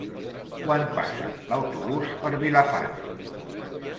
Quan passa l'autobús per Vilafant?